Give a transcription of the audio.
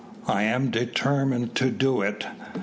I am determined to do it."